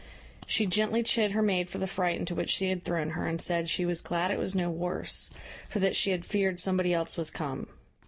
She gently chid her maid for the fright into which she had thrown her, and said "she was glad it was no worse; for that she had feared somebody else was come."